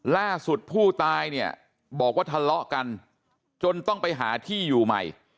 ล่าสุดผู้ตายเนี่ยบอกว่าทะเลาะกันจนต้องไปหาที่อยู่ใหม่